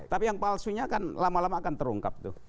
tapi yang palsunya kan lama lama akan terungkap tuh